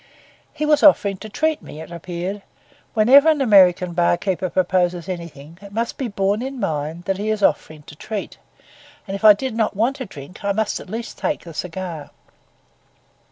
He was offering to treat me, it appeared, whenever an American bar keeper proposes anything, it must be borne in mind that he is offering to treat; and if I did not want a drink, I must at least take the cigar.